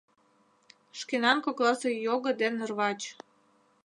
Шкенан кокласе його ден рвач...